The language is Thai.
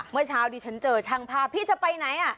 เมื่อเช้าดิฉันเจอช่างภาพพี่จะไปไหน